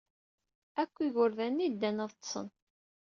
Akk igerdan-nni ddan ad ḍḍsen.